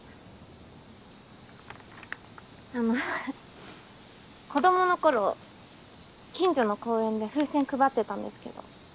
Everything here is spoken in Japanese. あのははっ子供の頃近所の公園で風船配ってたんですけど。